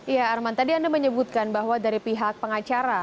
ya arman tadi anda menyebutkan bahwa dari pihak pengacara